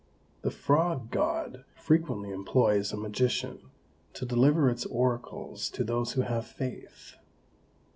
The Frog God frequently employs a magician to deliver its oracles to those who have faith.